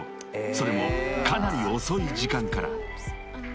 ［それもかなり遅い時間から］